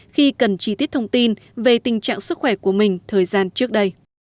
khi cần chi tiết thông tin về tình trạng sức khỏe của mình thời gian trước đây